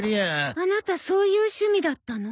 アナタそういう趣味だったの？